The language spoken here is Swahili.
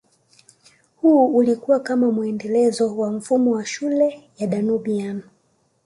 Huu ulikua kama muendelezo wa mfumo wa shule ya Danubian